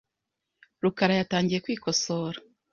rukara yatangiye kwikosora .